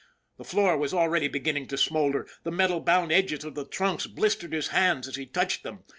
The floor was already begin ning to smolder, the metal bound edges of the trunks blistered his hands as he touched them.